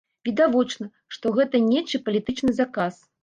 Відавочна, што гэта нечы палітычны заказ.